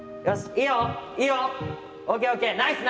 よし！